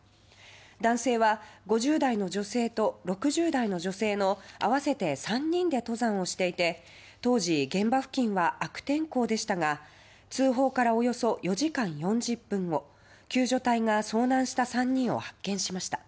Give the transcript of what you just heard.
男性は５０代の女性と６０代の女性の合わせて３人で登山をしていて当時、現場付近は悪天候でしたが通報からおよそ４時間４０分後救助隊が遭難した３人を発見しました。